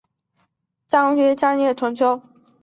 清雍正元年重修。